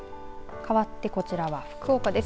かわって、こちらは福岡です。